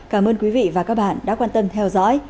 cảm ơn quý vị và các bạn đã quan tâm theo dõi